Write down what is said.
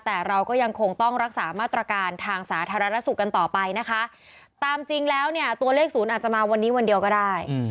แต่เราก็ยังคงต้องรักษามาตรการทางสาธารณสุขกันต่อไปนะคะตามจริงแล้วเนี่ยตัวเลขศูนย์อาจจะมาวันนี้วันเดียวก็ได้